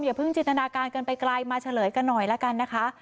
อย่าพึ่งจินทนาการเกินไปไกลมาเฉลยกันหน่อยแล้วกันนะคะ